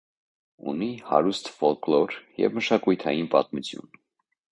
Ունի հարուստ ֆոլկլոր և մշակութային պատմություն։